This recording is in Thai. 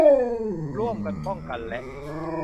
ร่วมกันป้องกันและ